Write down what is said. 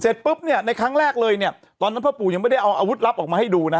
ปุ๊บเนี่ยในครั้งแรกเลยเนี่ยตอนนั้นพ่อปู่ยังไม่ได้เอาอาวุธลับออกมาให้ดูนะ